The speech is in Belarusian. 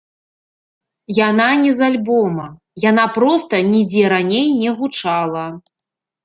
Яна не з альбома, яна проста нідзе раней не гучала.